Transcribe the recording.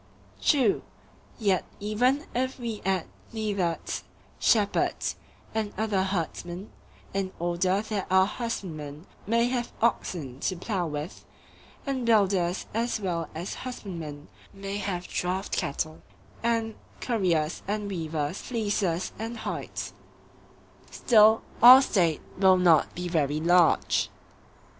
True. Yet even if we add neatherds, shepherds, and other herdsmen, in order that our husbandmen may have oxen to plough with, and builders as well as husbandmen may have draught cattle, and curriers and weavers fleeces and hides,—still our State will not be very large.